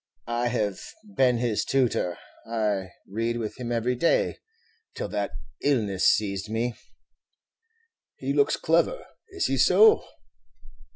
I have been his tutor; I read with him every day, till that illness seized me." "He looks clever; is he so?"